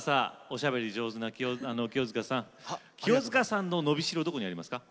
おしゃべり上手な清塚さん清塚さんののびしろどこにありますか？